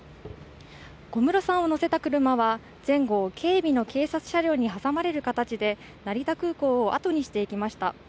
小室さんを乗せた車は前後を警備の警察車両に挟まれる形で成田空港を後にしていきました。